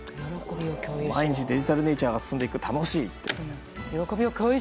毎日デジタルネイチャーが進んでいく、楽しいって。